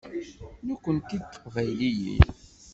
Nekknti d tiqbayliyin.